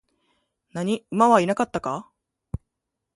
何、馬はいなかったか?